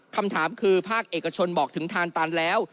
คำถามคือภาคเอกชนบอกถึงทานตันแล้ว